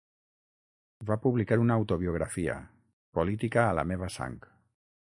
Va publicar una autobiografia, " Política a la meva sang".